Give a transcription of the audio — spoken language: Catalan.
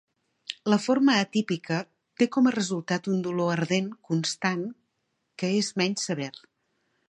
La forma atípica té com a resultat un dolor ardent constant que és menys sever.